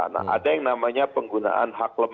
nah ada yang namanya penggunaan hak lembaga